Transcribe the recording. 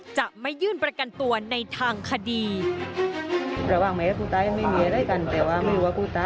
จะไม่ยื่นประกันตัวในทางคดี